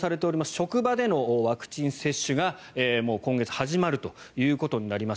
職場でのワクチン接種が今月始まるということになります。